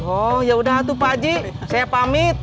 oh yaudah tuh pak haji saya pamit